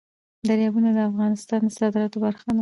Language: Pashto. دریابونه د افغانستان د صادراتو برخه ده.